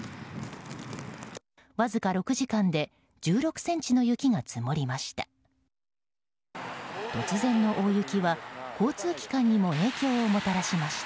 わずか６時間で１６ｃｍの雪が積もりました。